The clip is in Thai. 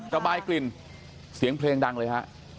ระบายกลิ่นเสียงเพลงดังเลยฮะ